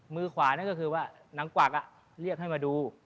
มือขวานั่นก็คือว่านางกวักเรียกให้มาดู